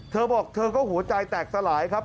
เธอบอกเธอก็หัวใจแตกสลายครับ